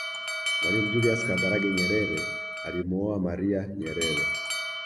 Mwalimu julius Kambarage Nyerere alimuoa maria Nyerere